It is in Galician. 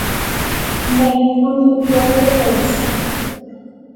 Ben, non corría présa iso.